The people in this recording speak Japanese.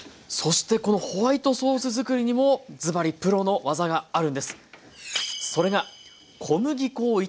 そしてこのホワイトソース作りにもズバリプロの技があるんです。